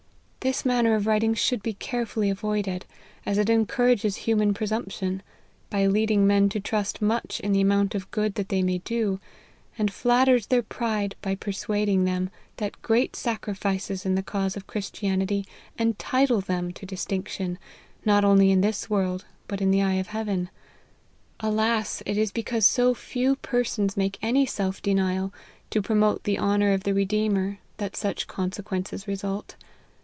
This manner of writing should be carefully avoided, as it encourages human presumption, by leading men to trust much in the amount of good that they may do, and flatters their pride by persuading them that great sacrifices in the cause of Christianity en title them to distinction, not only in this world, but in the eve of heaven. Alas ! it is because so few LIFE OF HENRY MARTYN. 21 persons make any self denial, to promote the honour of the Redeemer, that such consequences result.